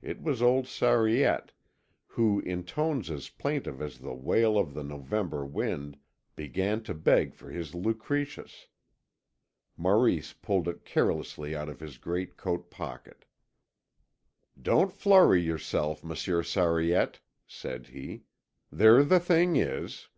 It was old Sariette, who in tones as plaintive as the wail of the November wind began to beg for his Lucretius. Maurice pulled it carelessly out of his great coat pocket. "Don't flurry yourself, Monsieur Sariette," said he. "There the thing is."